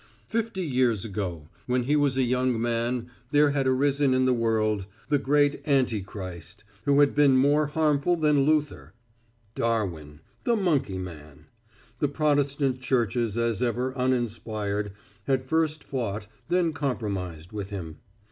Fifty years ago when he was a young man there had arisen in the world the great anti Christ, who had been more harmful than Luther Darwin, the monkey man. The Protestant churches, as ever uninspired, had first fought, then compromised with him.